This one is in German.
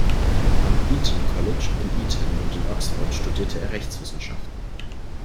Am Eton College in Eton und in Oxford studierte er Rechtswissenschaften.